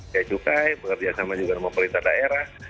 becukai bekerja sama juga dengan pemerintah daerah